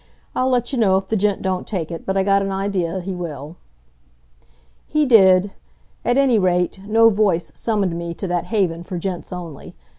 I'll let you know if the gent don't take it, but I got an idea he will." He did. At any rate, no voice summoned me to that haven for gents only.